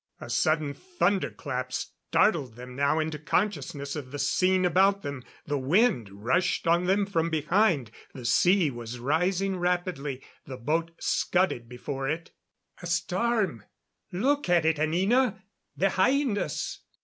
A sudden thunderclap startled them now into consciousness of the scene about them. The wind rushed on them from behind. The sea was rising rapidly; the boat scudded before it. "A storm! Look at it, Anina, behind us!"